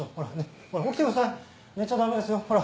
寝ちゃ駄目ですよほら。